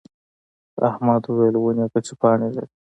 احمد وويل: ونې غتې پاڼې لري.